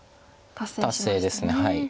達成です。